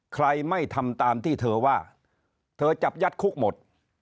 ใครไม่ทำตามที่เธอว่าเธอจับยัดคุกหมด